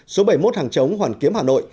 số bảy mươi một hàng chống hoàn kiếm hà nội